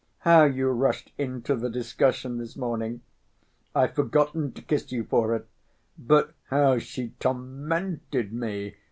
How you rushed into the discussion this morning! I've forgotten to kiss you for it.... But how she tormented me!